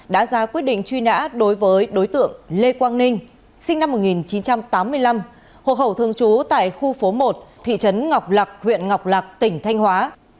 đã ra quyết định truy nã đối với đối tượng lê quang ninh sinh năm một nghìn chín trăm tám mươi năm hộ khẩu thường trú tại khu phố một thị trấn ngọc lạc huyện ngọc lạc tỉnh thanh hóa